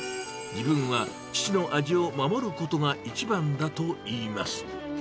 自分は父の味を守ることが一番だといいます。